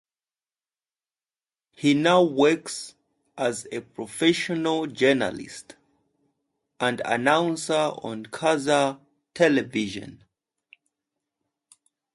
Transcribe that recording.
He now works as a professional journalist and announcer on Kazakh television.